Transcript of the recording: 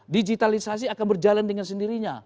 digitalisasi akan berjalan dengan sendirinya